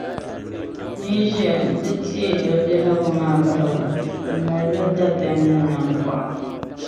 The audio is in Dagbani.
N yi ʒiya nti teei bɛ biɛhigu maa bahigu, di malila dabiɛm ni nambɔɣu.